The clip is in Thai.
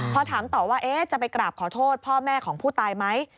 พอถามต่อว่าจะไปกราบขอโทษพ่อแม่ของผู้ตายไหม